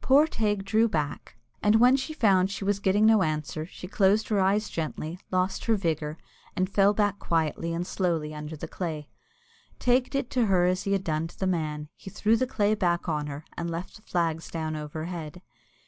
Poor Teig drew back, and when she found that she was getting no answer, she closed her eyes gently, lost her vigour, and fell back quietly and slowly under the clay. Teig did to her as he had done to the man he threw the clay back on her, and left the flags down overhead.